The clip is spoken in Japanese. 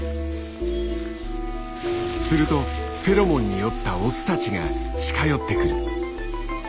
するとフェロモンに酔ったオスたちが近寄ってくる。